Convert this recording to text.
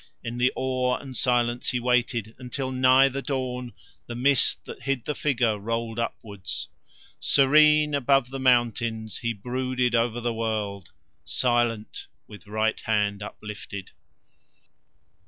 In the awe and silence he waited, until nigh the dawn the mist that hid the figure rolled upwards. Serene above the mountains he brooded over the world, silent, with right hand uplifted.